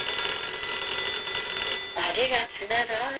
Most of Molitor is hilly, with small glacial lakes.